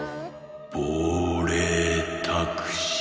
「ぼうれいタクシー」。